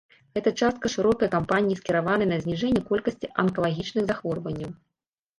Гэта частка шырокай кампаніі, скіраванай на зніжэнне колькасці анкалагічных захворванняў.